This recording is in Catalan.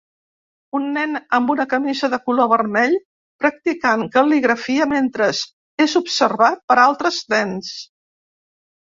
Un nen amb una camisa de color vermell practicant cal·ligrafia mentre es observat per altres nens.